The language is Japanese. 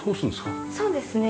そうですね。